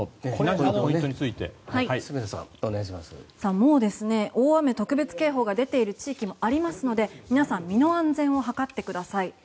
もう大雨特別警報が出ている地域もありますので皆さん身の安全を図ってください。